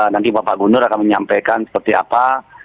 nanti pak gunur akan menyampaikan seperti apa